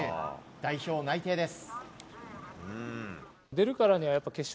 代表内定です。